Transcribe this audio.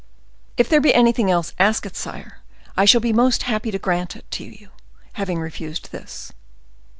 "If there be anything else, ask it, sire; I shall most happy to grant it to you, having refused this."